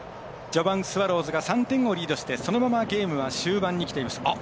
序盤スワローズが３点をリードしてそのままゲームは終盤にきています。